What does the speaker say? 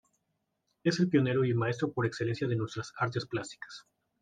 Es el pionero y el maestro por excelencia de nuestras artes plásticas.